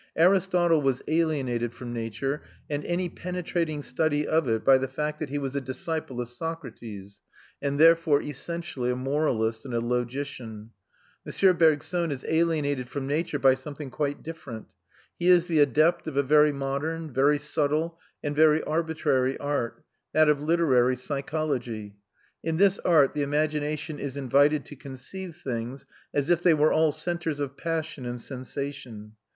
Aristotle was alienated from nature and any penetrating study of it by the fact that he was a disciple of Socrates, and therefore essentially a moralist and a logician. M. Bergson is alienated from nature by something quite different; he is the adept of a very modern, very subtle, and very arbitrary art, that of literary psychology. In this art the imagination is invited to conceive things as if they were all centres of passion and sensation.